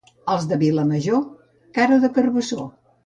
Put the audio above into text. Els de Vilamajor, cara de carbassó